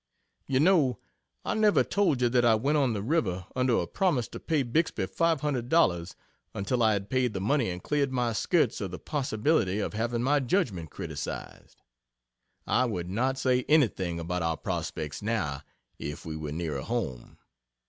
You know I never told you that I went on the river under a promise to pay Bixby $500, until I had paid the money and cleared my skirts of the possibility of having my judgment criticised. I would not say anything about our prospects now, if we were nearer home.